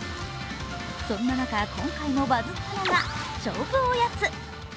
そんな中、今回もバズったのが勝負おやつ。